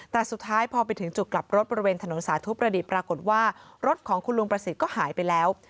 แต่สุดท้ายพอไปถึงจุดกลับรถบริเวณถนนสาธุประดิษฐ์ปรากฏว่ารถของคุณลุงประสิทธิ์ก็หายไปแล้ว